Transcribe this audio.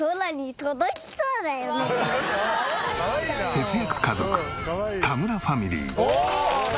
節約家族田村ファミリー。